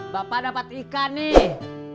bapak dapat ikan nih